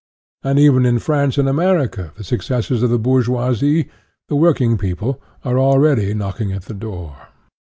/And even in France and America, the successors of the bourgeoisie, the working peo ple, are already knocking at the door.